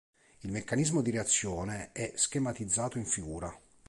Il meccanismo di reazione è schematizzato in figura.